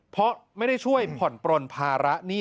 เพราะไม่ได้ช่วยผ่อนปลนภาระหนี้